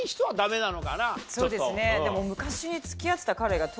そうですねでも。